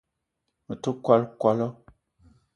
Me te kwal kwala